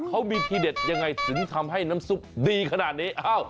เขามีทีเด็ดยังไงถึงทำให้น้ำซุปดีขนาดนี้